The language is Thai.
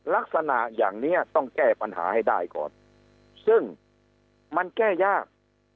ลักษณะอย่างนี้ต้องแก้ปัญหาให้ได้ก่อนซึ่งมันแก้ยาก